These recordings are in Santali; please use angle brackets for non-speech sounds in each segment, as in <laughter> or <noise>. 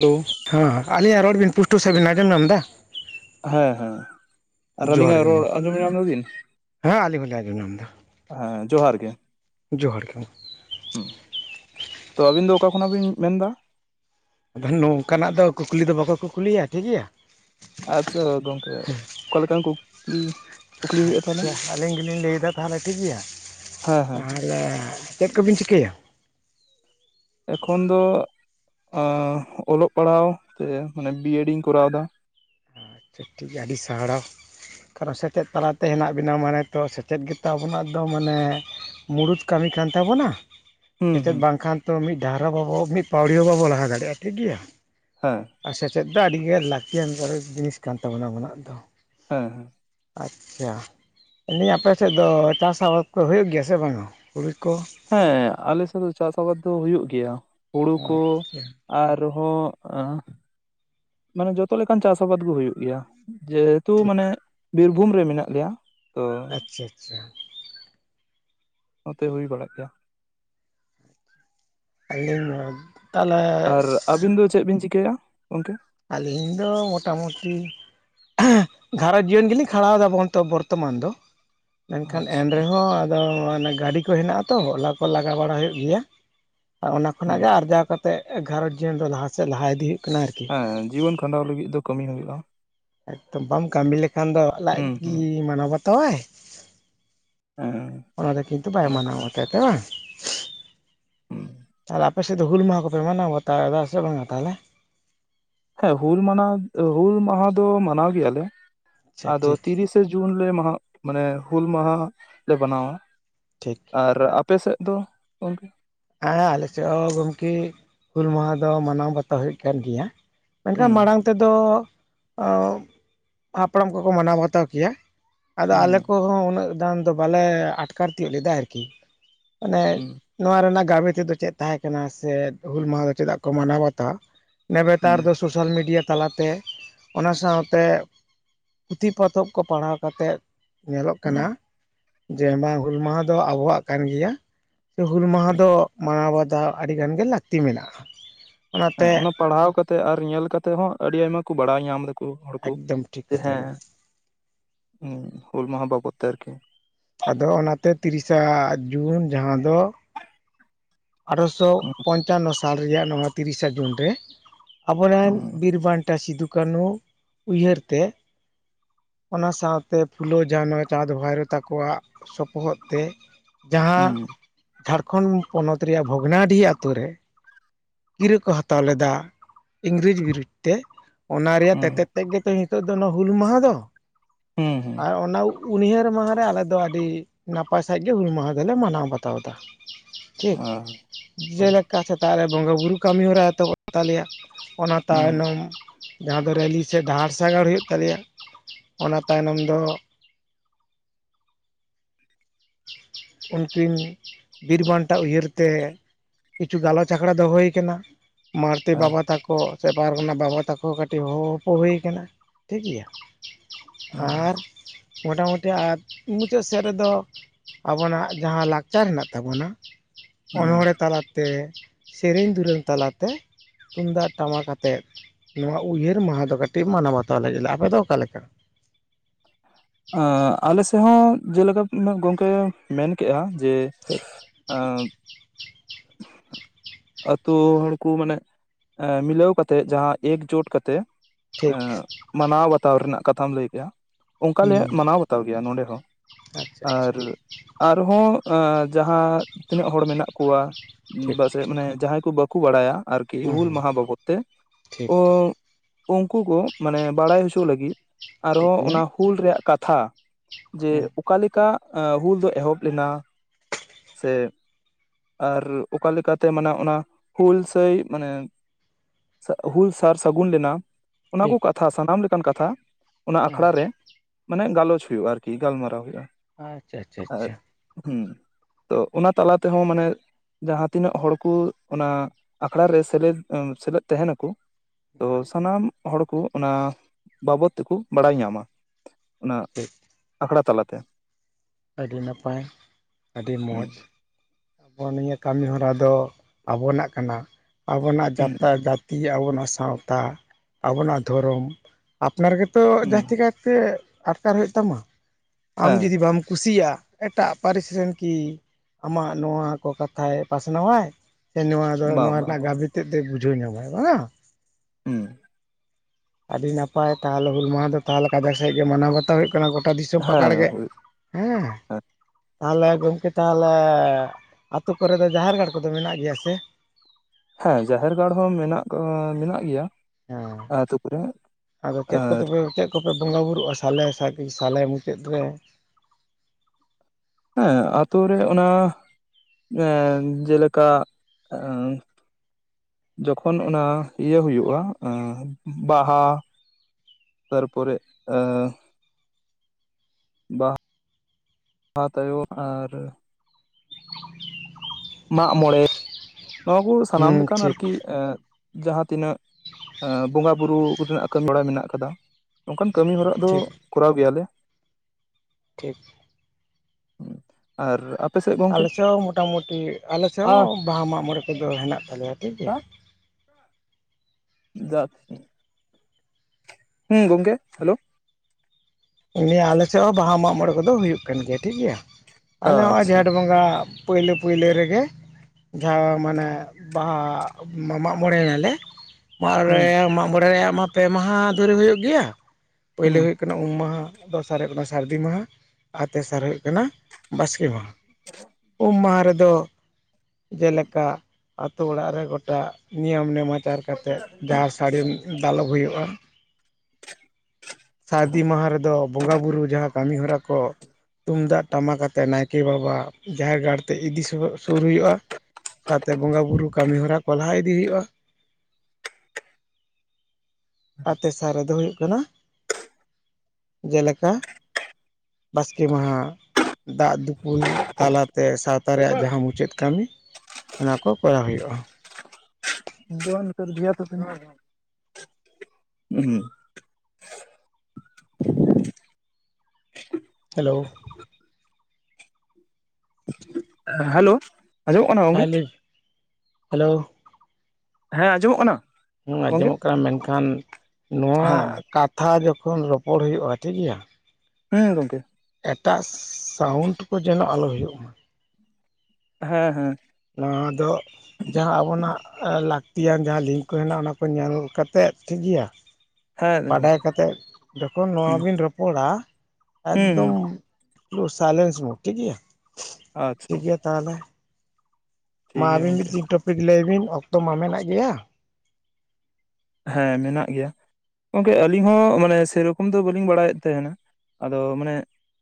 ᱦᱮᱞᱳ ᱾ ᱦᱚᱸ ᱟᱹᱞᱤᱧᱟᱜ ᱨᱚᱲ ᱵᱤᱱ ᱯᱩᱥᱴᱩ ᱥᱟ ᱵᱮᱤᱱ ᱟᱸᱡᱚᱢ ᱧᱟᱢ ᱫᱟ? ᱦᱮᱸ ᱦᱮᱸ ᱟᱨ ᱡᱚᱦᱟᱨ ᱟᱹᱞᱤᱧᱟᱜ ᱜᱮ ᱢᱟ ᱨᱚᱲ ᱟᱸᱡᱚᱢ ᱧᱟᱢ ᱫᱟᱹᱵᱤᱱ? ᱦᱮᱸ ᱟᱞᱤᱟ ᱦᱚᱸᱞᱤᱧ ᱟᱸᱢᱚᱟ ᱧᱟᱢ ᱫᱟ ᱾ ᱦᱮᱸ ᱡᱚᱦᱟᱨ ᱜᱮ ᱾ ᱡᱚᱦᱟᱨ ᱜᱮ ᱾ ᱦ ᱛᱚ ᱟᱹᱵᱤᱱ ᱫᱚ ᱚᱠᱟ ᱠᱷᱚᱱᱟᱜ ᱵᱤᱱ ᱢᱮᱱ ᱫᱟ? ᱟᱫᱚ ᱱᱚᱝᱠᱟᱱᱟᱜ ᱫᱚ ᱠᱩᱠᱞᱤ ᱫᱚ ᱵᱟᱠᱚ ᱠᱩᱠᱞᱤᱭᱟ ᱴᱷᱤᱠᱜᱮᱭᱟ ᱾ ᱟᱪᱪᱷᱟ ᱜᱚᱢᱠᱮ ᱠᱚᱞᱠᱟᱱ ᱠᱚᱠᱞᱤ ᱟᱪᱪᱷᱟ ᱟᱹᱞᱤᱧ ᱜᱮᱞᱤᱧ ᱞᱟᱹᱭᱫᱟ ᱛᱟᱦᱚᱞᱮ ᱴᱷᱤᱠ ᱜᱮᱭᱟ ᱾ ᱦᱮᱸ ᱦᱮᱸ ᱾ ᱮᱸ ᱪᱮᱫ ᱠᱚᱵᱤᱱ ᱪᱤᱠᱟᱹᱭᱟ? ᱮᱠᱷᱚᱱ ᱫᱚ ᱟᱸ ᱚᱞᱚᱜ ᱯᱟᱲᱦᱟᱣ ᱛᱮ ᱢᱟᱱᱮ ᱵᱤᱮᱰᱤᱧ ᱠᱚᱨᱟᱣ ᱫᱟ ᱾ ᱟᱪᱪᱷᱟ ᱴᱷᱤᱠ ᱜᱮᱭᱟ ᱟᱹᱰᱤ ᱥᱟᱨᱦᱟᱣ ᱾ ᱠᱟᱨᱚᱱ ᱥᱮᱪᱮᱫ ᱛᱟᱞᱟᱛᱮ ᱦᱮᱱᱟᱜ ᱵᱤᱱᱟ ᱢᱟᱱᱮ ᱛᱚ ᱥᱮᱪᱮᱫ ᱜᱮᱛᱚ ᱵᱚᱱᱟᱜ ᱫᱚ ᱢᱟᱱᱮ ᱢᱩᱲᱩᱫ ᱠᱟᱹᱢᱤ ᱠᱟᱱ ᱛᱟᱵᱚᱱᱟ ᱾ ᱦᱩᱸ ᱥᱮᱪᱮᱫ ᱦᱩᱸ ᱵᱟᱝᱠᱷᱟᱱ ᱛᱚ ᱢᱤᱫ ᱰᱟᱦᱟᱨ ᱦᱚᱸ ᱵᱟᱵᱚ ᱢᱤᱫ ᱯᱟᱹᱣᱲᱤ ᱦᱚᱸ ᱵᱟᱵᱚ ᱞᱟᱦᱟ ᱫᱟᱲᱮᱭᱟᱜᱼᱟ ᱴᱷᱤᱠ ᱜᱮᱭᱟ ᱾ ᱦᱮᱸ, ᱟᱨ ᱥᱮᱪᱮᱫ ᱫᱚ ᱟᱹᱰᱤᱜᱮ ᱞᱟᱹᱠᱛᱤᱭᱟᱱ ᱡᱤᱱᱤᱥ ᱠᱟᱱ ᱛᱟᱵᱚᱱᱟ ᱚᱱᱟ ᱫᱚ ᱾ ᱦᱮᱸ ᱦᱮᱸ, ᱟᱪᱪᱷᱟ, ᱞᱤ ᱟᱯᱮᱥᱮᱫ ᱫᱚ ᱪᱟᱥ ᱟᱵᱟᱫᱽ ᱠᱚ ᱦᱩᱭᱩᱜ ᱜᱮᱭᱟ ᱥᱮ ᱵᱟᱝᱼᱟ ᱦᱩᱲᱩ ᱠᱚ? ᱦᱮᱸ ᱟᱞᱮ ᱥᱮᱫ ᱫᱚ ᱪᱟᱥ ᱟᱵᱟᱫ ᱫᱚ ᱦᱩᱭᱩᱜ ᱜᱮᱭᱟ ᱦᱩᱲᱩ ᱠᱚ, ᱟᱪᱪᱷᱟ ᱟᱨᱦᱚᱸ <inaudible> ᱢᱟᱱᱮ ᱡᱚᱛᱚ ᱞᱮᱠᱟᱱ ᱪᱟᱥ ᱟᱵᱟᱫᱽ ᱜᱮ ᱦᱩᱭᱩᱜ ᱜᱮᱭᱟ ᱡᱮ ᱟᱹᱛᱩ ᱴᱷᱤᱠ ᱢᱟᱱᱮ ᱵᱤᱨᱵᱷᱩᱢ ᱨᱮ ᱢᱮᱱᱟᱜ ᱞᱮᱭᱟ ᱛᱚ ᱟᱪᱪᱷᱟ ᱟᱪᱪᱷᱟ, ᱱᱚᱛᱮ ᱦᱩᱭ ᱵᱟᱲᱟᱜ ᱜᱮᱭᱟ ᱾ ᱟᱹᱞᱤᱧ ᱱᱚᱣᱟ, ᱟᱨ ᱟᱹᱵᱤᱱ ᱫᱚ ᱪᱮᱜ ᱵᱤᱱ ᱪᱤᱠᱟᱹᱭᱟ ᱜᱚᱝᱠᱮ? ᱟᱹᱞᱤᱧ ᱫᱚ ᱢᱚᱴᱟᱢᱩᱴᱤ <inaudible> ᱜᱷᱟᱨᱚᱸᱡᱽ ᱡᱤᱭᱚᱱ ᱜᱮᱞᱤᱧ ᱠᱷᱟᱸᱲᱟᱣ ᱫᱟ ᱵᱚᱱᱛᱚ ᱵᱚᱨᱛᱚᱢᱟᱱ ᱫᱚ ᱾ ᱢᱮᱱᱠᱷᱟᱱ ᱮᱱ ᱟᱪᱪᱷᱟ ᱨᱮᱦᱚᱸ ᱟᱫᱚ ᱚᱱᱮ ᱜᱟᱹᱰᱤ ᱠᱚ ᱦᱮᱱᱟᱜ ᱟᱛᱚ ᱚᱞᱟ ᱠᱚ ᱞᱟᱜᱟᱣ ᱵᱟᱲᱟ ᱦᱩᱭᱩᱜ ᱜᱮᱭᱟ᱾ ᱚᱱᱟ ᱦᱩᱸ ᱠᱷᱚᱱᱟᱜ ᱜᱮ ᱟᱨᱡᱟᱣ ᱠᱟᱛᱮ ᱜᱷᱟᱨᱚᱸᱡᱽ ᱡᱤᱭᱚᱱ ᱫᱚ ᱞᱟᱦᱟ ᱥᱮᱫ ᱞᱟᱦᱟ ᱤᱫᱤᱜ ᱦᱮᱸ ᱡᱤᱭᱚᱱ ᱠᱷᱟᱸᱰᱟᱣ ᱞᱟᱹᱜᱤᱫ ᱫᱚ ᱠᱟᱹᱢᱤ ᱦᱩᱭᱩᱜᱼᱟ ᱾ ᱮᱠᱫᱚᱢ ᱵᱟᱢ ᱠᱟᱹᱢᱤ ᱞᱮᱠᱷᱟᱱ ᱫᱚ ᱞᱟᱡ ᱠᱤ ᱦᱩᱸ ᱢᱟᱱᱟᱣ ᱵᱟᱛᱟᱣᱟᱭ ᱦᱮᱸ ᱾ ᱚᱱᱟ ᱫᱚ ᱠᱤᱱᱛᱩ ᱵᱟᱭ ᱚᱱᱟ ᱢᱟᱱᱟᱣ ᱠᱟᱱ ᱵᱟᱛᱟᱭ ᱛᱟᱭ ᱵᱟᱝ? ᱦᱩᱸ ᱟᱨ ᱟᱯᱮᱥᱮᱫ ᱫᱚ ᱦᱩᱞ ᱢᱟᱦᱟᱸ ᱠᱚᱯᱮ ᱢᱟᱱᱟᱣ ᱵᱟᱛᱟᱣᱮᱫᱟ ᱥᱮ ᱵᱟᱝᱼᱟ ᱛᱟᱞᱦᱮ? ᱠᱷᱟᱡ ᱦᱩᱞ ᱢᱟᱱᱟᱣ ᱦᱩᱞ ᱢᱟᱦᱟᱸ ᱫᱚ ᱢᱟᱱᱟᱣ ᱜᱮᱭᱟᱞᱮ ᱟᱪᱪᱷᱟ ᱟᱫᱚ ᱴᱷᱤᱠ ᱛᱤᱨᱤᱥ ᱛᱮ ᱡᱩᱱ ᱞᱮ ᱢᱟᱦᱟᱜ ᱢᱟᱱᱮ ᱦᱩᱞ ᱢᱟᱦᱟᱸ ᱢᱮᱱᱛᱮ ᱞᱮ ᱵᱟᱱᱟᱣᱟ ᱾ ᱴᱷᱤᱠ ᱟᱨ ᱟᱯᱮ ᱥᱮᱫ ᱫᱚ ᱜᱚᱝᱠᱮ? ᱦᱮᱸ ᱟᱞᱮ ᱥᱮᱫ ᱦᱚᱸ ᱜᱚᱝᱠᱮ ᱦᱩᱞ ᱢᱟᱦᱟᱸ ᱫᱚ ᱢᱟᱱᱟᱣ ᱵᱟᱛᱟᱣ ᱦᱩᱭᱩᱜ ᱠᱟᱱ ᱜᱮᱭᱟ᱾ ᱢᱮᱱᱠᱷᱟᱱ ᱦᱩᱸ ᱢᱟᱲᱟᱝ ᱛᱮᱫᱚ <inaudible> ᱦᱟᱯᱲᱟᱢ ᱠᱚᱠᱚ ᱢᱟᱱᱟᱣ ᱵᱟᱛᱟᱣ ᱠᱮᱭᱟ ᱾ ᱟᱫᱚ ᱦᱩᱸ ᱟᱞᱮ ᱠᱚᱦᱚᱸ ᱩᱱᱟᱹᱜ ᱫᱟᱱ ᱫᱚ ᱵᱟᱞᱮ ᱟᱴᱠᱟᱨ ᱛᱤᱭᱳᱜ ᱞᱮᱫᱟ ᱟᱨᱠᱤ ᱾ ᱚᱱᱮ ᱦᱩᱸ ᱱᱚᱣᱟ ᱨᱮᱱᱟᱜ ᱜᱟᱵᱮ ᱛᱮᱫᱚ ᱪᱮᱫ ᱛᱟᱦᱮᱸ ᱠᱟᱱᱟ ᱥᱮ ᱦᱩᱞ ᱢᱟᱦᱟᱸ ᱫᱚ ᱪᱮᱫᱟᱜ ᱠᱚ ᱢᱟᱱᱟᱣ ᱵᱟᱛᱟᱣᱟ ᱾ ᱦᱩᱸ ᱱᱮᱵᱮᱛᱟᱨ ᱫᱚ ᱥᱳᱥᱟᱞ ᱢᱤᱰᱤᱭᱟ ᱛᱟᱞᱟᱛᱮ ᱚᱱᱟ ᱥᱟᱶᱛᱮ ᱯᱩᱛᱷᱤ ᱯᱚᱛᱚᱵ ᱠᱚ ᱯᱟᱲᱦᱟᱣ ᱠᱟᱛᱮᱫ, ᱧᱮᱞᱚᱜ ᱠᱟᱱᱟ ᱦᱩᱸ ᱡᱮ ᱵᱟᱝ ᱦᱩᱞ ᱢᱟᱦᱟᱸ ᱫᱚ ᱟᱵᱚᱣᱟᱜ ᱠᱟᱱ ᱜᱮᱭᱟ ᱾ ᱥᱮ ᱦᱩᱞ ᱢᱟᱦᱟᱸ ᱫᱚ ᱢᱟᱱᱟᱣ ᱵᱟᱛᱟᱣ ᱟᱹᱰᱤᱜᱟᱱ ᱜᱮ ᱞᱟᱹᱠᱛᱤ ᱢᱮᱱᱟᱜᱼᱟ ᱾ ᱦᱮᱸ ᱚᱱᱟ ᱯᱟᱲᱦᱟᱣ ᱠᱟᱛᱮᱜ ᱟᱨ ᱧᱮᱞ ᱠᱟᱛᱮᱜ ᱦᱚᱸ ᱟᱹᱰᱤ ᱟᱭᱢᱟ ᱠᱚ ᱵᱟᱲᱟᱭ ᱧᱟᱢ ᱞᱮᱠ ᱠᱩ ᱦᱚᱲ ᱠᱚ ᱮᱠᱫᱚᱢ ᱴᱷᱤᱠ ᱡᱮ ᱠᱟᱛᱷᱟ ᱦᱮᱸ ᱜᱮ ᱦᱩᱸ ᱦᱩᱞ ᱢᱟᱦᱟᱸ ᱵᱟᱵᱚᱫ ᱛᱮ ᱟᱨᱠᱤ ᱾ ᱟᱫᱚ ᱚᱱᱟᱛᱮ ᱛᱤᱨᱤᱥᱟ ᱡᱩᱱ ᱡᱟᱦᱟᱸ ᱫᱚ ᱟᱴᱷᱨᱚᱥᱚ ᱦᱩᱸ ᱯᱚᱧᱪᱟᱱᱚ ᱥᱟᱞ ᱨᱮᱭᱟᱜ ᱱᱚᱣᱟ ᱛᱤᱨᱤᱥᱟ ᱡᱩᱱ ᱨᱮ, ᱟᱵᱚᱨᱮᱱ ᱦᱩᱸ ᱵᱤᱨ ᱵᱟᱱᱴᱟ ᱥᱤᱫᱩ ᱠᱟᱹᱱᱩ ᱩᱭᱦᱟᱹᱨ ᱛᱮ ᱚᱱᱟ ᱥᱟᱶᱛᱮ ᱯᱷᱩᱞᱳ ᱡᱷᱟᱱᱚ ᱪᱟᱸᱫᱽ ᱵᱷᱟᱭᱨᱚᱛ ᱛᱟᱠᱚᱣᱟᱜ ᱥᱚᱯᱚᱦᱚᱫ ᱛᱮ ᱡᱟᱦᱟᱸ ᱦᱩᱸ ᱡᱷᱟᱨᱠᱷᱚᱸᱱᱰ ᱯᱚᱱᱚᱛ ᱨᱮᱭᱟᱜ ᱵᱷᱚᱜᱽᱱᱟᱰᱤ ᱟᱛᱳ ᱨᱮ, ᱜᱤᱨᱟᱹ ᱠᱚ ᱦᱟᱛᱟᱣ ᱞᱮᱫᱟ ᱤᱝᱨᱮᱡᱽ ᱵᱤᱨᱩᱫᱽ ᱛᱮ ᱾ ᱚᱱᱟ ᱨᱮᱭᱟᱜ ᱦᱩᱸ ᱛᱮᱛᱮᱫ ᱛᱮᱫ ᱜᱮᱛᱚ ᱱᱤᱛᱚᱜ ᱫᱚ ᱦᱩᱞ ᱢᱟᱦᱟᱸ ᱫᱚ ᱾ ᱦᱩᱸ ᱦᱩᱸ ᱾ ᱟᱨ ᱚᱱᱟ ᱩᱱᱦᱟᱹᱨ ᱢᱟᱦᱟ ᱨᱮ ᱟᱞᱮ ᱫᱚ ᱟᱹᱰᱤ ᱱᱟᱯᱟᱭ ᱥᱟᱺᱦᱮᱡ ᱜᱮ ᱦᱩᱞ ᱢᱟᱦᱟ ᱫᱚᱞᱮ ᱢᱟᱱᱟᱣ ᱵᱟᱛᱟᱣ ᱫᱟ᱾ ᱚ ᱴᱷᱤᱠ ᱦᱩᱸ ᱡᱮᱞᱮᱠᱟ ᱥᱮᱛᱟᱜᱨᱮ ᱵᱚᱸᱜᱟ ᱵᱩᱨᱩ ᱠᱟᱹᱢᱤ ᱦᱚᱨᱟ ᱮᱛᱚᱵᱛᱟᱞᱮᱭᱟ ᱚᱱᱟ ᱛᱟᱭᱱᱚᱢ ᱡᱟᱦᱟᱸ ᱫᱚ ᱨᱮᱞᱤ ᱥᱮ ᱰᱟᱦᱟᱨ ᱥᱟᱜᱟᱲ ᱦᱩᱭᱩᱜ ᱛᱟᱞᱮᱭᱟ ᱚᱱᱟ ᱛᱟᱭᱱᱚᱢ ᱫᱚ <inaudible> ᱩᱱᱠᱤᱱ ᱵᱤᱨᱵᱟᱱ ᱴᱟ ᱩᱭᱦᱟᱹᱨ ᱛᱮ ᱠᱤᱪᱷᱩ ᱜᱟᱞᱚᱪ ᱟᱠᱷᱲᱟ ᱫᱚ ᱦᱩᱭ ᱠᱟᱱᱟ ᱢᱟᱨᱛᱮ ᱦᱮᱸ ᱵᱟᱵᱟ ᱛᱟᱠᱚ ᱠᱚ ᱥᱮ ᱯᱟᱨᱜᱟᱱᱟ ᱵᱟᱵᱟ ᱛᱟᱠᱚ ᱠᱟᱹᱴᱤᱡ ᱦᱚᱦᱚ ᱦᱚᱯᱚ ᱦᱩᱭ ᱠᱟᱱᱟ ᱴᱷᱤᱠ ᱜᱮᱭᱟ ᱦᱩᱸ ᱟᱨ ᱢᱳᱴᱟᱢᱩᱴᱤ ᱟᱨ ᱢᱩᱪᱟᱹᱫ ᱥᱮᱫ ᱨᱮᱫᱚ ᱟᱵᱚᱱᱟᱜ ᱡᱟᱦᱟᱸ ᱞᱟᱠᱪᱟᱨ ᱦᱮᱱᱟᱜ ᱛᱟᱵᱚᱱᱟ ᱦᱩᱸ ᱚᱱᱚᱲᱬᱦᱮᱸ ᱛᱟᱞᱟᱛᱮ ᱥᱮᱨᱤᱧ ᱫᱩᱨᱟᱹᱱ ᱛᱟᱞᱟᱛᱮ ᱛᱩᱢᱫᱟᱜ ᱴᱟᱢᱟᱠᱟᱛᱮᱫ ᱱᱚᱣᱟ ᱩᱭᱦᱟᱹᱨ ᱢᱟᱦᱟ ᱫᱚ ᱠᱟᱹᱴᱤᱡ ᱢᱟᱱᱟᱣ ᱵᱟᱛᱟᱣ ᱞᱟᱹᱜᱤᱫ ᱟᱯᱮᱫᱚ ᱚᱠᱟᱞᱮᱠᱟ ᱟᱞᱮ ᱥᱮ ᱦᱚᱸ ᱡᱮᱞᱮᱠᱟᱹᱜ ᱜᱚᱝᱠᱮ ᱢᱮᱱ ᱠᱮᱜᱼᱟ ᱡᱮ ᱴᱷᱤᱠ ᱟᱸ <inaudible> <inaudible> ᱟᱛᱳ ᱦᱚᱲ ᱠᱚ ᱢᱟᱱᱮ ᱢᱤᱞᱟᱹᱣ ᱠᱟᱛᱮᱜ ᱡᱟᱦᱟᱸ ᱮᱠ ᱡᱳᱴ ᱠᱟᱛᱮ ᱮ ᱴᱷᱤᱠ ᱢᱟᱱᱟᱣ ᱵᱟᱛᱟᱣ ᱨᱮᱱᱟᱜ ᱠᱟᱛᱷᱟᱢ ᱞᱟᱹᱭ ᱠᱮᱜᱼᱟ ᱚᱱᱠᱟᱞᱮ ᱦᱩᱸ ᱢᱟᱱᱟᱣ ᱵᱟᱛᱟᱣ ᱜᱮᱭᱟ ᱱᱚᱸᱰᱮ ᱦᱚᱸ ᱟᱪᱪᱷᱟ ᱟᱪᱪᱷᱟ ᱟᱨ ᱟᱨᱦᱚᱸ ᱡᱟᱦᱟᱸ ᱛᱤᱱᱟᱹᱜ ᱦᱚᱲ ᱢᱮᱱᱟᱜ ᱠᱚᱣᱟ ᱴᱷᱤᱠ ᱯᱟᱥᱮᱡ ᱢᱟᱱᱮ ᱡᱟᱦᱟᱸᱭ ᱠᱚ ᱵᱟᱠᱚ ᱵᱟᱲᱟᱭᱟ ᱟᱨ ᱠᱤ ᱦᱩᱸ ᱦᱩᱞ ᱦᱩᱸ ᱢᱟᱦᱟ ᱵᱟᱵᱚᱫ ᱛᱮ ᱴᱷᱤᱠ ᱚ ᱴᱷᱤᱠ ᱩᱝᱠᱩ ᱠᱚ ᱢᱟᱱᱮ ᱵᱟᱲᱟᱭ ᱦᱚᱪᱚ ᱞᱟᱹᱜᱤᱫ ᱴᱷᱤᱠ ᱟᱨᱦᱚᱸ ᱜᱮᱭᱟ ᱚᱱᱟ ᱦᱩᱞ ᱨᱮᱭᱟᱜ ᱠᱟᱛᱷᱟ ᱡᱮ ᱦᱩᱸ ᱚᱠᱟᱞᱮᱠᱟ ᱟ ᱦᱩᱞ ᱫᱚ ᱮᱦᱚᱵ ᱞᱮᱱᱟ ᱥᱮ ᱟᱨ ᱚᱠᱟᱞᱮ ᱞᱮᱠᱟᱛᱮ ᱢᱟᱱᱮ ᱚᱱᱟ ᱦᱩᱞ ᱥᱮᱟᱹᱭ ᱢᱟᱱᱮ ᱦᱩᱞ ᱥᱟᱨ ᱥᱟᱹᱜᱩᱱ ᱞᱮᱱᱟ ᱚᱱᱟ ᱠᱚ ᱴᱷᱤᱠ ᱠᱟᱛᱷᱟ ᱥᱟᱱᱟᱢ ᱞᱮᱠᱟᱱ ᱠᱟᱛᱷᱟ ᱚᱱᱟ ᱦᱮᱸ ᱟᱠᱷᱲᱟ ᱨᱮ ᱢᱟᱱᱮ ᱜᱟᱞᱚᱪ ᱦᱩᱭᱩᱜᱼᱟ ᱟᱨᱠᱤ ᱜᱟᱞᱢᱟᱨᱟᱣ ᱦᱩᱭᱩᱜᱼᱟ ᱟᱪᱪᱷᱟ ᱟᱪᱪᱷᱟ ᱟᱪᱪᱷᱟ ᱦᱮᱸ ᱛᱚ ᱚᱱᱟ ᱛᱟᱞᱟ ᱛᱮᱦᱚᱸ ᱢᱟᱱᱮ ᱡᱟᱦᱟᱸ ᱛᱤᱱᱟᱹᱜ ᱦᱚᱲ ᱠᱚ ᱚᱱᱟ ᱟᱠᱷᱲᱟ ᱨᱮ ᱥᱮᱞᱮᱫ ᱥᱮᱞᱮᱫ ᱛᱟᱦᱮᱱᱟᱠᱚ ᱛᱚ ᱥᱟᱱᱟᱢ ᱦᱚᱲ ᱠᱚ ᱚᱱᱟ ᱵᱟᱵᱚᱫ ᱛᱮᱠᱚ ᱵᱟᱲᱟᱭ ᱧᱟᱢᱟ ᱚᱱᱟ ᱴᱷᱤᱠ ᱟᱠᱷᱲᱟ ᱛᱟᱞᱟᱛᱮ ᱟᱹᱰᱤ ᱱᱟᱯᱟᱭ ᱟᱹᱰᱤ ᱦᱩᱸ ᱢᱚᱡᱽ ᱟᱵᱚ ᱱᱤᱭᱟᱹ ᱠᱟᱹᱢᱤᱦᱚᱨᱟ ᱫᱚ ᱟᱵᱚᱱᱟᱜ ᱠᱟᱱᱟ ᱟᱵᱚᱱᱟᱜ ᱦᱩᱸ ᱡᱟᱛᱟ ᱜᱟᱛ ᱤᱭᱟᱹ ᱟᱵᱚᱱᱟᱜ ᱥᱟᱶᱛᱟ ᱟᱵᱚᱱᱟᱜ ᱫᱷᱚᱨᱚᱢ ᱟᱯᱱᱟᱨ ᱜᱮᱛᱚ ᱦᱩᱸ ᱡᱟᱹᱥᱛᱤ ᱠᱟᱭᱛᱮ ᱟᱴᱠᱟᱨ ᱦᱩᱭᱩᱜ ᱛᱟᱢᱟ ᱟᱢ ᱦᱮᱸ ᱡᱩᱫᱤ ᱵᱟᱢ ᱠᱩᱥᱤᱭᱟᱜ ᱮᱴᱟᱜ ᱯᱟᱹᱨᱤᱥ ᱨᱮᱱ ᱠᱤ ᱟᱢᱟᱜ ᱱᱚᱣᱟ ᱠᱚ ᱠᱟᱛᱷᱟᱭ ᱯᱟᱥᱱᱟᱣᱟᱭ ᱱᱚᱣᱟ ᱫᱚ ᱵᱟᱝ ᱱᱚᱣᱟ ᱵᱟᱝ ᱨᱮᱱᱟᱜ ᱜᱟᱵ ᱜᱚᱝᱠᱮ ᱛᱮᱫ ᱛᱮ ᱵᱩᱡᱷᱟᱹᱣ ᱧᱟᱢᱟᱭ ᱵᱟᱝᱟ ᱦᱩᱸ ᱟᱹᱰᱤ ᱱᱟᱯᱟᱭ ᱛᱟᱦᱚᱞᱮ ᱦᱩᱞ ᱢᱟᱦᱟ ᱫᱚ ᱛᱟᱦᱚᱞᱮ ᱠᱟᱡᱟᱠ ᱥᱮᱫ ᱜᱮ ᱢᱟᱱᱟᱣ ᱵᱟᱛᱟᱣ ᱦᱩᱭᱩᱜ ᱠᱟᱱᱟ ᱜᱚᱴᱟ ᱫᱤᱥᱚᱢ ᱯᱟᱠᱟᱲ ᱦᱮᱸ ᱜᱮ ᱦᱳᱭ ᱦᱩᱸ ᱦᱮᱸ ᱛᱟᱦᱚᱞᱮ ᱜᱚᱝᱠᱮ ᱛᱟᱦᱚᱞᱮ ᱟᱛᱳ ᱠᱚᱨᱮ ᱫᱚ ᱡᱟᱦᱮᱨ ᱜᱟᱲ ᱠᱚᱫᱚ ᱢᱮᱱᱟᱜ ᱜᱮᱭᱟ ᱥᱮ ᱦᱮᱸ ᱡᱟᱦᱮᱨ ᱜᱟᱲ ᱦᱚᱸ ᱢᱮᱱᱟᱜ ᱫᱚ ᱢᱮᱱᱟᱜ ᱜᱮᱭᱟ ᱦᱮᱸ ᱟᱛᱳ ᱠᱚᱨᱮ ᱟᱫᱚ ᱪᱮᱫ ᱟᱨ ᱠᱚᱛᱮᱯᱮ ᱪᱮᱫ ᱠᱚ ᱯᱮ ᱵᱚᱸᱜᱟ ᱵᱩᱨᱩᱜᱼᱟ ᱥᱟᱞᱮ ᱥᱟᱠ ᱥᱟᱞᱮ ᱢᱩᱪᱟᱹᱫ ᱨᱮ ᱦᱮᱸ ᱟᱛᱳ ᱨᱮ ᱚᱱᱟ ᱡᱮᱞᱮᱠᱟ ᱮ ᱡᱚᱠᱷᱚᱱ ᱚᱱᱟ ᱤᱭᱟᱹ ᱦᱩᱭᱩᱜᱼᱟ ᱮᱸ ᱵᱟᱦᱟ ᱛᱟᱨᱯᱚᱨᱮ ᱮᱸ ᱵᱟ ᱦᱟ ᱛᱟᱭᱚᱢ ᱟᱨ ᱢᱟᱜᱢᱚᱲᱮ ᱱᱚᱣᱟ ᱠᱚ ᱥᱟᱱᱟᱢ ᱦᱩᱸ ᱞᱮᱠᱟᱱ ᱴᱷᱤᱠ ᱟᱨᱠᱤ ᱮᱸ ᱡᱟᱦᱟᱸ ᱛᱤᱱᱟᱹᱜ ᱮᱸ ᱵᱚᱸᱜᱟ ᱵᱩᱨᱩ ᱠᱚᱴᱷᱮᱱᱟᱜ ᱠᱟᱹᱢᱤ ᱦᱚᱲᱟ ᱢᱮᱱᱟᱜ ᱠᱟᱫᱟ᱾ ᱱᱚᱝᱠᱟᱱ ᱠᱟᱹᱢᱤ ᱦᱚᱨᱟ ᱫᱚ ᱴᱷᱤᱠ ᱠᱚᱨᱟᱣ ᱜᱮᱭᱟᱞᱮ᱾ ᱴᱷᱤᱠ᱾ <inaudible> ᱟᱨ ᱟᱯᱮ ᱥᱮᱜ? ᱟᱞᱮ ᱥᱮᱜ ᱦᱚᱸ ᱢᱚᱴᱟᱢᱩᱴᱤ ᱟᱞᱮ ᱥᱮᱜ ᱦᱚᱸ ᱵᱟᱦᱟ ᱢᱟᱜ ᱢᱚᱬᱮ ᱠᱚᱫᱚ ᱦᱮᱱᱟᱜ ᱛᱟᱞᱮᱭᱟ ᱴᱷᱤᱠ ᱜᱮᱭᱟ᱾ <inaudible> ᱦᱩᱸ ᱜᱚᱝᱠᱮ ᱦᱮᱞᱳ᱾ ᱱᱤᱭᱟᱹ ᱟᱞᱮ ᱥᱮᱜ ᱦᱚᱸ ᱵᱟᱦᱟ ᱢᱟᱜ ᱢᱚᱬᱮ ᱠᱚᱫᱚ ᱦᱩᱭᱩᱜ ᱠᱟᱱ ᱜᱮᱭᱟ ᱴᱷᱤᱠ ᱜᱮᱭᱟ, ᱟᱞᱮ ᱦᱚᱸ ᱟᱪᱪᱷᱟ ᱡᱷᱮᱸᱴ ᱵᱚᱸᱜᱟ ᱯᱟᱹᱭᱞᱟᱹ ᱯᱟᱹᱭᱞᱟᱹ ᱨᱮᱜᱮ ᱡᱟᱦᱟᱸ ᱢᱟᱱᱮ ᱵᱟᱦᱟ ᱢᱟᱜ ᱢᱟᱼᱢᱚᱬᱮ ᱱᱟᱞᱮ᱾ ᱢᱟᱜᱨᱮ ᱦᱩᱸ ᱢᱟᱜ ᱢᱚᱬᱮ ᱨᱮᱭᱟᱜ ᱢᱟ ᱯᱮ ᱢᱟᱦᱟ ᱫᱷᱚᱨᱮ ᱦᱩᱭᱩᱜ ᱜᱮᱭᱟ, ᱦᱩᱸ ᱯᱟᱹᱭᱞᱟᱹ ᱦᱩᱭᱩᱜ ᱠᱟᱱᱟ ᱩᱢ ᱢᱟᱦᱟ᱾ ᱫᱚᱥᱟᱨ ᱦᱩᱭᱩᱜ ᱠᱟᱱᱟ ᱥᱟᱹᱨᱫᱤ ᱢᱟᱦᱟ ᱟᱨ ᱛᱮᱥᱟᱨ ᱦᱩᱭᱩᱜ ᱠᱟᱱᱟ ᱵᱟᱥᱠᱮ ᱢᱟᱦᱟ᱾ <inaudible> ᱩᱢ ᱢᱟᱸᱦᱟ ᱨᱮᱫᱚ ᱡᱮᱞᱮᱠᱟ ᱟᱛᱳ ᱚᱲᱟᱜ ᱨᱮ ᱜᱚᱴᱟ ᱱᱤᱭᱚᱢ ᱱᱮᱢᱟᱪᱟᱨ ᱠᱟᱛᱮᱜ ᱡᱟᱦᱟᱸ ᱥᱟᱲᱤᱢ ᱫᱟᱞᱚᱵ ᱦᱩᱭᱩᱜᱼᱟ, ᱥᱟᱹᱨᱫᱤ ᱢᱟᱦᱟ ᱨᱮ ᱵᱚᱸᱜᱟ ᱵᱩᱨᱩ ᱡᱟᱦᱟᱸ ᱠᱟᱹᱢᱤ ᱦᱚᱨᱟ ᱠᱚ ᱛᱩᱢᱫᱟᱜ ᱴᱟᱢᱟᱠ ᱟᱛᱮ ᱱᱟᱭᱠᱮ ᱵᱟᱵᱟ ᱡᱟᱦᱮᱨ ᱜᱟᱲ ᱛᱮ ᱤᱫᱤ ᱡᱚᱦᱚᱜ ᱥᱩᱨ ᱦᱩᱭᱩᱜᱼᱟ, ᱥᱟᱶᱛᱮ ᱵᱚᱸᱜᱟ ᱵᱩᱨᱩ ᱠᱟᱹᱢᱤ ᱦᱚᱨᱟ ᱠᱚ ᱞᱟᱦᱟ ᱤᱫᱤ ᱦᱩᱭᱩᱜᱼᱟ᱾ ᱟᱨ ᱛᱮᱥᱟᱨ ᱨᱮᱫᱚ ᱦᱩᱭᱩᱜ ᱠᱟᱱᱟ ᱡᱮᱞᱮᱠᱟ ᱵᱟᱥᱠᱮ ᱢᱟᱸᱦᱟ ᱫᱟᱜ ᱫᱩᱯᱩᱞ ᱛᱟᱞᱟᱛᱮ ᱥᱟᱶᱛᱟ ᱨᱮᱭᱟᱜ ᱡᱟᱦᱟᱸ ᱢᱩᱪᱟᱹᱫ ᱠᱟᱹᱢᱤ ᱚᱱᱟ ᱠᱚ ᱠᱚᱨᱟᱣ ᱦᱳᱭᱳᱜᱼᱟ᱾ <unintelligible> ᱦᱮᱞᱳ᱾ ᱮ ᱦᱮᱞᱳ᱾ ᱟᱸᱡᱚᱢᱚᱜ ᱠᱟᱱᱟ ᱜᱚᱝᱠᱮ ᱦᱮᱸ ᱞᱟᱭ ᱦᱮᱞᱳ᱾ ᱦᱮᱸ ᱟᱸᱡᱚᱢᱚᱜ ᱠᱟᱱᱟ? ᱦᱩ ᱜᱚᱝᱠᱮ ᱟᱸᱡᱚᱢᱚᱜ ᱠᱟᱱᱟ ᱢᱮᱱᱠᱷᱟᱱ, ᱱᱚᱣᱟ ᱦᱮᱸ ᱠᱟᱛᱷᱟ ᱡᱚᱠᱷᱚᱱ ᱨᱚᱯᱚᱲ ᱦᱩᱭᱩᱜᱼᱟ ᱴᱷᱤᱠ ᱜᱮᱭᱟ᱾ ᱦᱩᱸ ᱜᱚᱝᱠᱮ᱾ ᱮᱴᱟᱜ ᱥᱟᱣᱩᱱᱰ ᱠᱚ ᱡᱮᱱᱚ ᱟᱞᱚ ᱦᱩᱭᱩᱜ ᱢᱟ᱾ ᱦᱮᱸ ᱦᱮᱸ ᱱᱚᱣᱟ ᱫᱚ ᱡᱟᱦᱟᱸ ᱟᱵᱚᱱᱟᱜ ᱞᱟᱹᱠᱛᱤᱭᱟᱱ ᱡᱟᱦᱟᱸ ᱞᱤᱝᱠ ᱠᱚ ᱦᱮᱱᱟᱜ ᱚᱱᱟᱠᱚ ᱧᱮᱞ ᱠᱟᱛᱮᱫ ᱴᱷᱤᱠ ᱜᱮᱭᱟ᱾ <inaudible> ᱵᱟᱰᱟᱭ ᱜᱚᱝᱠᱮ ᱠᱟᱛᱮᱫ ᱡᱚᱠᱷᱚᱱ ᱱᱚᱣᱟ ᱦᱩᱸ ᱵᱤᱱ ᱨᱚᱯᱚᱲᱟ ᱦᱩᱸ ᱮᱠᱫᱚᱢ ᱦᱩᱸ ᱞᱩ ᱥᱟᱭᱞᱮᱥ ᱢᱩᱰ ᱴᱷᱤᱠᱜᱮᱭᱟ ᱟᱪᱪᱷᱟ ᱴᱷᱤᱠᱜᱮᱭᱟ ᱛᱟᱦᱞᱮ᱾ ᱴᱷᱤᱠ ᱢᱟ ᱜᱮᱭᱟ ᱟᱹᱵᱤᱱ ᱜᱚᱝᱠᱮ ᱢᱤᱫᱴᱤᱱ ᱴᱚᱯᱤᱠ ᱞᱟᱹᱭ ᱵᱤᱱ ᱚᱠᱛᱚ ᱢᱟ ᱢᱮᱱᱟᱜ ᱜᱮᱭᱟ᱾ ᱦᱮᱸ ᱢᱮᱱᱟᱜ ᱜᱮᱭᱟ ᱜᱚᱝᱠᱮ ᱟᱹᱞᱤᱧ ᱦᱚᱸ ᱢᱟᱱᱮ ᱥᱮᱨᱚᱠᱚᱢ ᱫᱚ ᱵᱟᱹᱞᱤᱧ ᱵᱟᱲᱟᱭᱮᱜ ᱛᱟᱦᱮᱱᱟ᱾ ᱟᱫᱚ ᱢᱟᱱᱮ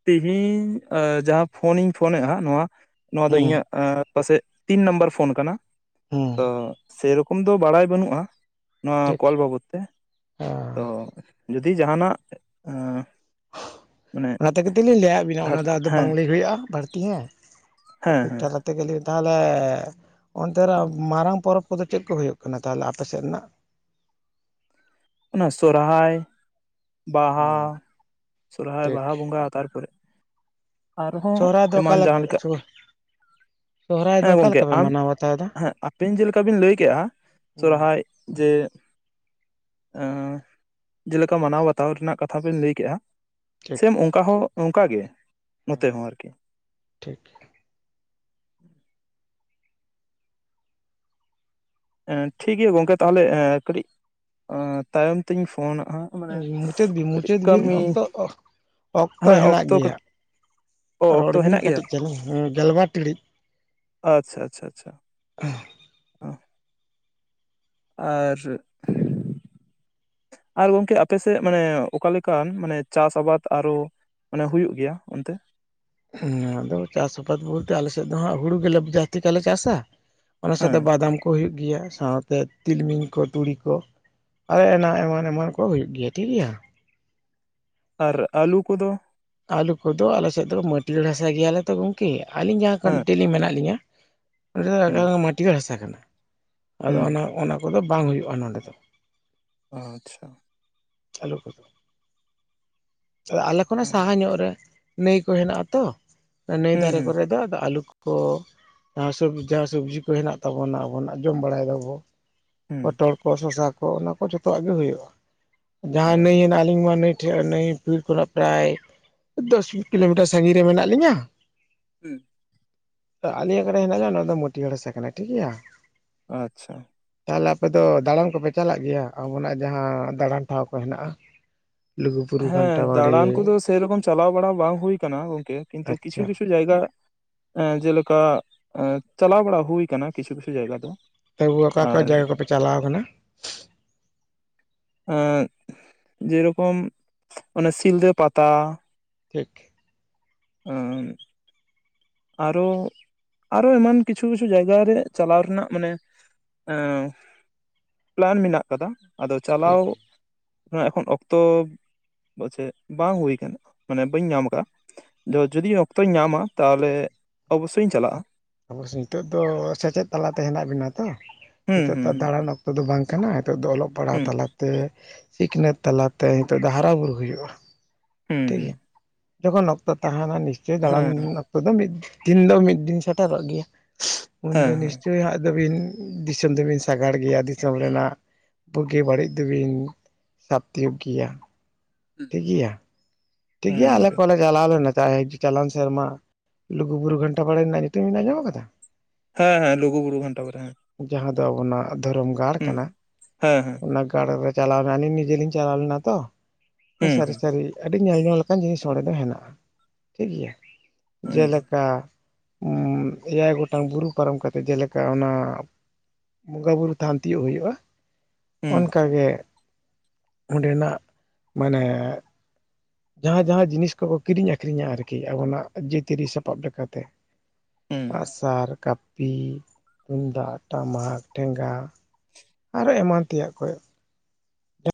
ᱛᱤᱦᱤᱧ ᱮ ᱡᱟᱦᱟᱸ ᱯᱷᱳᱱᱤᱧ ᱯᱷᱳᱱᱮᱜᱼᱟ ᱱᱚᱣᱟ ᱱᱚᱣᱟ ᱫᱚ ᱟ ᱦᱩᱸ ᱤᱧᱟᱹᱜ ᱯᱟᱥᱮᱜ ᱛᱤᱱ ᱱᱟᱢᱵᱟᱨ ᱯᱷᱳᱱ ᱠᱟᱱᱟ ᱦᱩᱸ ᱛᱚ ᱥᱮ ᱠᱚᱢ ᱫᱚ ᱵᱟᱲᱟᱭ ᱵᱟᱹᱱᱩᱜᱼᱟ᱾ ᱱᱚᱣᱟ ᱴᱷᱤᱠ ᱠᱚᱞ ᱵᱟᱵᱚᱛ ᱛᱮ, ᱛᱚ ᱡᱩᱫᱤ ᱡᱟᱦᱟᱸᱱᱟᱜ ᱚᱱᱟ ᱛᱮᱜᱮ ᱛᱚᱞᱤᱧ ᱞᱟᱹᱭᱟᱜ ᱵᱤᱱᱟ ᱚᱱᱟ ᱫᱚ ᱟᱫᱚ ᱦᱮᱸ ᱵᱟᱝ ᱞᱟᱹᱭ ᱦᱩᱭᱩᱜᱼᱟ ᱵᱟᱲᱛᱤ ᱦᱮᱸ᱾ ᱦᱮᱸ ᱴᱚᱯᱤᱠ ᱦᱮᱸ <unintelligible> ᱛᱮᱜᱮ ᱞᱤᱧ ᱛᱟᱦᱚᱞᱮ, ᱚᱱᱛᱮ ᱨᱮ ᱢᱟᱨᱟᱝ ᱯᱚᱨᱚᱵᱽ ᱠᱚᱫᱚ ᱪᱮᱫ ᱠᱚ ᱦᱳᱭᱳᱜ ᱠᱟᱱᱟ ᱛᱟᱦᱚᱞᱮ ᱟᱯᱮ ᱥᱮᱫ ᱨᱮᱱᱟᱜ? ᱚᱱᱟ ᱥᱚᱨᱦᱟᱭ, ᱵᱟᱦᱟ, ᱦᱩᱸ ᱥᱚᱨᱦᱟᱭ, ᱴᱷᱤᱠ ᱵᱟᱦᱟ ᱵᱚᱸᱜᱟ ᱛᱟᱨᱯᱚᱨᱮ ᱟᱨᱦᱚᱸ ᱥᱚᱦᱨᱟᱭ ᱫᱚ ᱚᱠᱟ ᱮᱢᱟᱱ ᱡᱟᱦᱟᱸ ᱞᱮᱠᱟ ᱥᱚᱦᱨᱟᱭ ᱫᱚ ᱦᱮᱸ ᱚᱠᱟ ᱜᱚᱝᱠᱮ ᱞᱮᱠᱟ ᱯᱮ ᱟᱢ, ᱢᱟᱱᱟᱣ ᱵᱟᱛᱟᱣ ᱮᱫᱟ? ᱦᱮᱸ ᱟᱯᱤᱱ ᱡᱮᱞᱮᱠᱟ ᱵᱤᱱ ᱞᱟᱹᱭ ᱠᱮᱜᱼᱟ ᱥᱚᱨᱦᱟᱭ ᱡᱮ ᱮᱸ ᱡᱮᱞᱮᱠᱟ ᱢᱟᱱᱟᱣ ᱵᱟᱛᱟᱣ ᱨᱮᱱᱟᱜ ᱠᱟᱛᱷᱟ ᱵᱤᱱ ᱞᱟᱹᱭ ᱠᱮᱜᱼᱟ, ᱴᱷᱤᱠ ᱥᱮᱢ ᱚᱝᱠᱟ ᱦᱚᱸ ᱚᱝᱠᱟ ᱜᱮ ᱱᱚᱛᱮ ᱦᱚᱸ ᱟᱨᱠᱤ᱾ ᱴᱷᱤᱠ᱾ ᱴᱷᱤᱠ ᱜᱮᱭᱟ ᱜᱚᱝᱠᱮ ᱛᱟᱦᱚᱞᱮ ᱮᱸ ᱠᱟᱹᱴᱤᱡ, ᱛᱟᱭᱚᱢ ᱛᱤᱧ ᱯᱷᱳᱱᱟ ᱦᱟᱸᱜ᱾ ᱢᱟᱱᱮ ᱢᱩᱪᱟᱹᱫ ᱵᱤᱱ ᱠᱟᱹᱴᱤᱡ ᱢᱩᱪᱟᱹᱫ ᱵᱤᱱ ᱠᱟᱹᱢᱤ ᱚᱠᱛᱚ, ᱚᱠᱛᱚ ᱦᱮᱸ ᱦᱮᱱᱟᱜ ᱜᱮᱭᱟ᱾ ᱠᱟᱹᱴᱤᱡ ᱚ ᱨᱚᱲ ᱚᱠᱛᱚ ᱵᱤᱱ ᱦᱮᱱᱟᱜ ᱜᱮᱭᱟ ᱠᱟᱹᱴᱤᱡ ᱪᱩᱞᱩᱝ ᱩᱸ ᱜᱮᱞᱵᱟᱨ ᱴᱤᱲᱤᱡ᱾ <inaudible> ᱦᱩᱸ᱾ ᱟᱨ ᱟᱨ ᱜᱚᱝᱠᱮ ᱟᱯᱮ ᱥᱮᱫ ᱢᱟᱱᱮ ᱚᱠᱟ ᱞᱮᱠᱟᱱ ᱢᱟᱱᱮ ᱪᱟᱥ ᱟᱵᱟᱫ ᱟᱨᱚ ᱢᱟᱱᱮ ᱦᱩᱭᱩᱜ ᱜᱮᱭᱟ ᱚᱱᱛᱮ? ᱦᱩᱸᱻ ᱟᱫᱚ ᱪᱟᱥ ᱟᱵᱟᱫ ᱵᱚᱞᱛᱮ ᱟᱞᱮ ᱥᱮᱫ ᱫᱚ ᱦᱟᱸᱜ ᱦᱩᱲᱩ ᱜᱮᱞᱮ ᱡᱟᱥᱛᱤ <unintelligible> ᱪᱟᱥᱟ, ᱚᱱᱟ ᱥᱟᱶᱛᱮ ᱦᱮᱸ ᱵᱟᱫᱟᱢ ᱠᱚ ᱦᱩᱭᱩᱜ ᱜᱮᱭᱟ ᱥᱟᱶᱛᱮ ᱛᱤᱞᱢᱤᱧ ᱠᱚ, ᱛᱩᱲᱤ ᱠᱚ᱾ ᱟᱨ ᱟᱭᱢᱟ ᱮᱢᱟᱱ ᱮᱢᱟᱱ ᱠᱚ ᱦᱩᱭᱩᱜ ᱜᱮᱭᱟ ᱴᱷᱤᱠ ᱜᱮᱭᱟ᱾ ᱟᱨ ᱟᱞᱩ ᱠᱚᱫᱚ? ᱟᱞᱩ ᱠᱚᱫᱚ ᱟᱞᱮ ᱥᱮᱫ ᱫᱚ ᱢᱟᱹᱴᱤᱭᱟᱹᱲ ᱦᱟᱥᱟ ᱜᱮᱭᱟᱞᱮ ᱛᱚ ᱜᱚᱝᱼ ᱠᱮ ᱟᱞᱤᱧ ᱡᱟᱦᱟᱸ ᱦᱮᱸ ᱠᱟᱱᱴᱮᱞᱤ ᱢᱮᱱᱟᱜ ᱞᱤᱧᱟ, ᱚᱸᱰᱮ ᱦᱩᱸ ᱫᱚ <inaudible> ᱢᱟᱴᱤᱭᱟᱹᱲ ᱦᱟᱥᱟ ᱠᱟᱱᱟ᱾ ᱟᱫᱚ ᱦᱩᱸ ᱚᱱᱟ ᱚᱱᱟ ᱠᱚᱫᱚ ᱵᱟᱝ ᱦᱩᱭᱩᱜᱼᱟ ᱱᱚᱸᱰᱮ ᱫᱚ᱾ ᱟᱪᱪᱷᱟ᱾ ᱟᱞᱩ ᱠᱚ ᱫᱚ᱾ ᱟᱫᱚ ᱟᱞᱮ ᱠᱷᱚᱱᱟᱜ ᱦᱮᱸ ᱥᱟᱦᱟ ᱧᱚᱜ ᱨᱮ ᱱᱟᱹᱭ ᱠᱚ ᱦᱮᱱᱟᱜᱼᱟ ᱛᱚ, ᱚᱱᱟ ᱱᱟᱹᱭ ᱦᱩᱸ ᱫᱷᱟᱨᱮ ᱦᱩᱸ ᱠᱚᱨᱮ ᱫᱚ ᱟᱫᱚ ᱟᱞᱩ ᱠᱚ, ᱡᱟᱦᱟᱸ ᱥᱚᱵ ᱡᱟᱦᱟᱸ ᱥᱚᱵᱡᱤ ᱪᱟᱥ ᱡᱟᱦᱟᱸ ᱦᱮᱱᱟᱜ ᱛᱟᱵᱚᱱᱟ ᱟᱵᱚᱱᱟᱜ ᱡᱚᱢ ᱵᱟᱲᱟᱭ ᱫᱟᱵᱚ, ᱦᱩᱸ ᱯᱚᱴᱚᱞ ᱠᱚ, ᱥᱚᱥᱟ ᱠᱚ ᱚᱱᱟ ᱠᱚ ᱡᱚᱛᱚᱣᱟᱜ ᱜᱮ ᱦᱩᱭᱩᱜᱼᱟ᱾ ᱚ ᱡᱟᱦᱟᱸ ᱱᱟᱹᱭ ᱦᱮᱱᱟᱜᱼᱟ ᱠᱤᱱᱵᱟ ᱱᱟᱹᱭ ᱴᱷᱮᱡ ᱱᱟᱹᱭ ᱯᱤᱲ ᱠᱷᱚᱱᱟᱜ ᱯᱨᱟᱭ ᱫᱚᱥ ᱠᱤᱞᱳᱢᱤᱴᱟᱨ ᱥᱟᱺᱜᱤᱧ ᱨᱮ ᱢᱮᱱᱟᱜ ᱞᱤᱧᱟ, ᱦᱩᱸ᱾ ᱛᱚ ᱟᱞᱤᱧ ᱟᱠᱟᱨᱮ ᱦᱮᱱᱟᱜ ᱞᱤᱧᱟ ᱱᱚᱣᱟ ᱫᱚ ᱢᱟᱹᱴᱤᱭᱟᱹᱲ ᱦᱟᱥᱟ ᱠᱟᱱᱟ ᱴᱷᱤᱠ ᱜᱮᱭᱟ᱾ ᱟᱪᱪᱷᱟ᱾ ᱛᱟᱦᱚᱞᱮ ᱟᱯᱮ ᱫᱚ ᱫᱟᱬᱟᱱ ᱠᱚᱯᱮ ᱪᱟᱞᱟᱜ ᱜᱮᱭᱟ ᱟᱵᱚᱱᱟᱜ ᱡᱟᱦᱟᱸ ᱫᱟᱬᱟᱱ ᱴᱷᱟᱶ ᱠᱚ ᱦᱮᱱᱟᱜᱼᱟ? ᱞᱩᱜᱩ ᱵᱩᱨᱩ ᱜᱷᱟᱱ ᱦᱮᱸ ᱫᱟᱬᱟᱱ ᱠᱚᱫᱚ ᱥᱮᱨᱚᱠᱚᱢ ᱪᱟᱞᱟᱣ ᱵᱟᱲᱟ ᱵᱟᱝ ᱦᱩᱭ ᱠᱟᱱᱟ ᱜᱚᱝᱠᱮ, ᱠᱤᱱᱛᱩ ᱠᱤᱪᱷᱩ ᱟᱪᱪᱷᱟ ᱠᱤᱪᱷᱩ ᱡᱟᱭᱜᱟ ᱮᱸᱻ ᱡᱮᱞᱮᱠᱟ ᱮᱸᱻ ᱪᱟᱞᱟᱣ ᱵᱟᱲᱟ ᱦᱩᱭ ᱠᱟᱱᱟ ᱠᱤᱪᱷᱩ ᱠᱤᱪᱷᱩ ᱡᱟᱭᱜᱟ ᱫᱚ᱾ ᱛᱚᱵᱩᱚ ᱚᱠᱟ ᱚᱠᱟ ᱟᱨ ᱡᱟᱭᱜᱟ ᱠᱚᱯᱮ ᱪᱟᱞᱟᱣ ᱠᱟᱱᱟ? ᱮᱸᱜ ᱡᱮᱨᱚᱠᱚᱢ ᱚᱱᱮ ᱥᱤᱞᱫᱟᱹ ᱯᱟᱛᱟ, ᱴᱷᱤᱠ᱾ <unintelligible> ᱟᱨᱚ ᱟᱨᱚ ᱮᱢᱟᱱ ᱠᱤᱪᱷᱩ ᱠᱤᱪᱷᱩ ᱡᱟᱭᱜᱟᱨᱮ ᱪᱟᱞᱟᱣ ᱨᱮᱱᱟᱜ ᱢᱟᱱᱮ᱾ ᱮᱸ ᱯᱞᱟᱱ ᱢᱮᱱᱟᱜ ᱠᱟᱫᱟ ᱟᱫᱚ ᱪᱟᱞᱟᱣ᱾ ᱴᱷᱤᱠ ᱚᱱᱟ ᱮᱠᱷᱚᱱ ᱚᱠᱛᱚ ᱪᱮ ᱵᱟᱝ ᱦᱩᱭ ᱠᱟᱱᱟ ᱢᱟᱱᱮ ᱵᱟᱹᱧ ᱧᱟᱢ ᱠᱟᱜ-ᱟ᱾ ᱫᱚ ᱡᱩᱫᱤ ᱚᱠᱛᱚᱧ ᱧᱟᱢᱟ ᱛᱟᱦᱞᱮ ᱚᱵᱚᱥᱥᱳᱭᱤᱧ ᱪᱟᱞᱟᱜ-ᱟ᱾ ᱚᱵᱚᱥᱥᱳ ᱱᱤᱛᱳᱜ ᱫᱚ ᱥᱮᱪᱮᱫ ᱛᱟᱞᱟᱛᱮ ᱦᱮᱱᱟᱜ ᱵᱤᱱᱟ ᱛᱚ ᱦᱩᱸ ᱱᱤᱛᱳᱜ ᱦᱩᱸ ᱛᱚ ᱫᱟᱸᱬᱟᱱ ᱚᱠ ᱛᱚ ᱫᱚ ᱵᱟᱝ ᱠᱟᱱᱟ ᱱᱤᱛᱳᱜ ᱫᱚ ᱚᱞᱚᱜ ᱯᱟᱲᱦᱟᱣ ᱦᱩᱸ ᱛᱟᱞᱟᱛᱮ ᱥᱤᱠᱷᱱᱟᱹᱛ ᱛᱟᱞᱟᱛᱮ ᱱᱤᱛᱳᱜ ᱫᱚ ᱦᱟᱨᱟ ᱵᱩᱨᱩ ᱦᱩᱭᱩᱜ-ᱟ᱾ ᱦᱩᱸ ᱦᱩᱸ ᱴᱷᱤᱠ ᱦᱩᱸ ᱜᱮᱭᱟ ᱡᱚᱠᱷᱚᱱ ᱚᱠᱛᱚ ᱛᱟᱦᱮᱱᱟ ᱱᱤᱥᱪᱳᱭ ᱫᱟᱸᱬᱟᱱ᱾ ᱦᱮᱸ ᱠᱚᱫᱚ ᱢᱤᱫ ᱫᱤᱱ ᱦᱤᱞᱳᱜ ᱢᱤᱫ ᱫᱤᱱ ᱥᱮᱴᱮᱨᱚᱜ ᱜᱮᱭᱟ ᱩᱱᱫᱚ ᱦᱮᱸ ᱦᱮᱸ ᱱᱤᱥᱪᱳᱭ ᱦᱟᱸᱜ ᱫᱚ ᱵᱤᱱ᱾ ᱫᱤᱥᱚᱢ ᱫᱚᱵᱤᱱ ᱥᱟᱜᱟᱲ ᱜᱮᱭᱟ ᱫᱤᱥᱚᱢ ᱨᱮᱱᱟᱜ ᱵᱩᱜᱤ ᱵᱟᱹᱲᱤᱡ ᱫᱚᱵᱤᱱ᱾ ᱥᱟᱵ ᱛᱤᱭᱳᱜᱽ ᱜᱮᱭᱟ ᱴᱷᱤᱠ ᱜᱮᱭᱟ ᱴᱷᱤᱠ ᱦᱮᱸ ᱜᱮᱭᱟ ᱟᱞᱮ ᱜᱚᱝᱠᱮ ᱠᱚᱞᱮᱡᱽ᱾ ᱪᱟᱞᱟᱣ ᱞᱮᱱᱟ ᱪᱟᱭ ᱪᱟᱞᱟᱣᱮᱱ ᱥᱮᱨᱢᱟ ᱞᱩᱜᱩ ᱵᱩᱨᱩ ᱜᱷᱟᱱᱴᱟ ᱵᱟᱲᱮ ᱨᱮᱱᱟᱜ ᱧᱩᱛᱩᱢ ᱵᱤᱱ ᱟᱸᱡᱚᱢ ᱠᱟᱫᱟ᱾ ᱦᱮᱸ ᱦᱮᱸ ᱞᱩᱜᱩ ᱵᱩᱨᱩ ᱜᱷᱟᱱᱴᱟ ᱵᱟᱲᱮ ᱦᱮᱸ᱾ ᱡᱟᱸᱦᱟ ᱫᱚ ᱟᱵᱚᱱᱟᱜ ᱫᱷᱚᱨᱚᱢ ᱜᱟᱲ ᱦᱩᱸ ᱠᱟᱱᱟ ᱦᱮᱸ ᱦᱮᱸ ᱚᱱᱟ ᱜᱟᱲ ᱨᱮ᱾ ᱪᱟᱞᱟᱣᱱᱟ ᱟᱞᱤᱧ ᱱᱤᱡᱮᱞᱤᱧ ᱪᱟᱞᱟᱣ ᱞᱮᱱᱟ ᱛᱚ ᱦᱮᱸ ᱦᱩᱸ ᱥᱟᱨᱤ ᱦᱩᱸ ᱥᱟᱨᱤ᱾ ᱟᱹᱰᱤ ᱧᱮᱞ ᱧᱚᱝ ᱞᱮᱠᱟᱱ ᱡᱤᱱᱤᱥ ᱚᱸᱰᱮ ᱫᱚ ᱦᱮᱱᱟᱜᱼᱟ ᱴᱷᱤᱠ ᱜᱮᱭᱟ ᱦᱩᱸ ᱡᱮᱞᱮᱠᱟ᱾ ᱩᱢᱻ ᱮᱭᱟᱭ ᱜᱚᱴᱟᱝ ᱵᱩᱨᱩ ᱯᱟᱨᱚᱢ ᱠᱟᱛᱮ ᱡᱮᱞᱮᱠᱟ ᱚᱱᱟ᱾ ᱵᱚᱸᱜᱟ ᱵᱩᱨᱩ ᱛᱷᱟᱱ ᱛᱤᱭᱳᱜ ᱦᱳᱭᱳᱜ-ᱟ᱾ ᱦᱩᱸ ᱚᱱᱠᱟᱜᱮ ᱚᱸᱰᱮᱱᱟᱜ ᱢᱟᱱᱮ᱾ ᱡᱟᱸᱦᱟ ᱡᱟᱸᱦᱟ ᱡᱤᱱᱤᱥ ᱠᱚᱠᱚ ᱠᱤᱨᱤᱧ ᱟᱠᱷᱨᱤᱧᱟ ᱟᱨᱠᱤ ᱟᱵᱚᱱᱟᱜ ᱡᱟᱹᱛᱤᱭᱟᱹᱨᱤ ᱥᱟᱯᱟᱵ ᱞᱮᱠᱟᱛᱮ᱾ ᱦᱩᱸ ᱟᱸᱜ-ᱥᱟᱨ ᱠᱟᱯᱤ ᱛᱩᱢᱫᱟᱜ ᱴᱟᱢᱟᱠ ᱴᱷᱮᱸᱜᱟ᱾ ᱟᱨᱦᱚᱸ ᱮᱢᱟᱱ ᱛᱮᱭᱟᱜ ᱠᱷᱚᱭ᱾